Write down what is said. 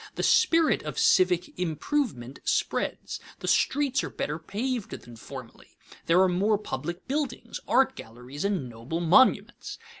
The spirit of civic improvement spreads. The streets are better paved than formerly; there are more public buildings, art galleries, and noble monuments.